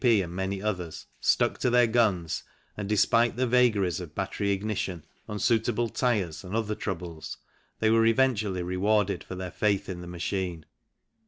P. , and many others, stuck to their guns and despite the vagaries of battery ignition, unsuitable tyres, and other troubles, they were eventually rewarded for their faith in the machine.